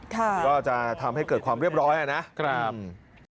ก็จะทำให้เกิดความเรียบร้อยนะครับ